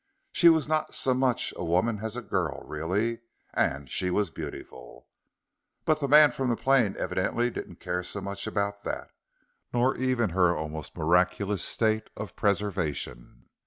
She was not so much a woman as a girl, really and she was beautiful. But the man from the plane evidently didn't care so much about that; nor even her almost miraculous state of preservation.